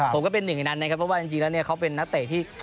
ผมก็เป็นหนึ่งในนั้นนะครับเพราะว่าจริงแล้วเนี่ยเขาเป็นนักเตะที่